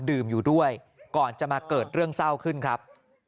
ดื่มอยู่ด้วยก่อนจะมาเกิดเรื่องเศร้าขึ้นครับ